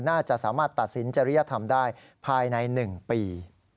น่าจะสามารถตัดสินจริยธรรมได้ภายใน๑ปี